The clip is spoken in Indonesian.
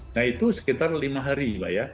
nah itu sekitar lima hari